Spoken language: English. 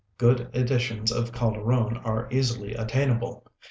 Good editions of Calderon are easily attainable.